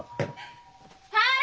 はい！